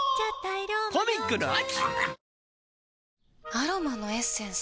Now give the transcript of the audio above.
アロマのエッセンス？